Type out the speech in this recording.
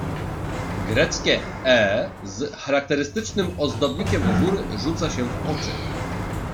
"Greckie „e” z charakterystycznym ozdobnikiem u góry rzuca się w oczy."